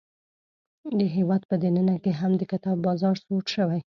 د هیواد په دننه کې هم د کتاب بازار سوړ شوی.